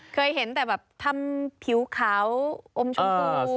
เคยเห็นแต่แบบทำผิวขาวอมชมพู